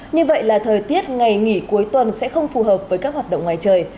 như vậy là thời tiết ngày nghỉ cuối tuần sẽ không phù hợp với các hoạt động ngoài trời